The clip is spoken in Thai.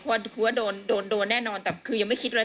คือว่าโดนโดนโดนแน่นอนแต่คือยังไม่คิดอะไร